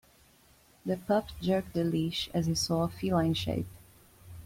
The pup jerked the leash as he saw a feline shape.